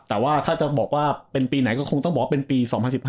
แต่ว่าถ้าจะบอกว่าเป็นปีไหนก็คงต้องบอกว่าเป็นปี๒๐๑๕